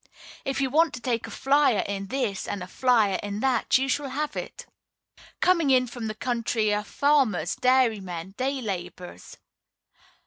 If you want to take a "flyer" in this and a "flyer" in that, you shall have it. Coming in from the country are farmers, dairymen, day laborers.